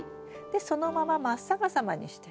でそのまま真っ逆さまにして。